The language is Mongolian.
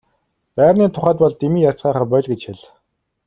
Байрны тухайд бол дэмий ярьцгаахаа боль гэж хэл.